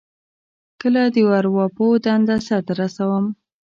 کله د ارواپوه دنده سرته رسوم.